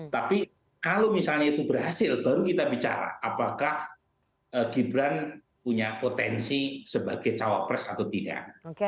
tapi kalau misalnya itu berhasil baru kita bicara apakah gibran punya potensi sebagai cawapres atau tidak